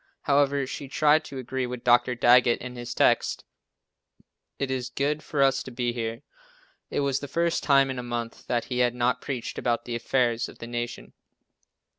However, she tried to agree with Dr. Daggett in his text, "It is good for us to be here." It was the first time in a month that he had not preached about the affairs of the Nation.